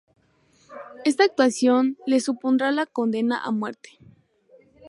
Esta actuación le supondrá la condena a muerte.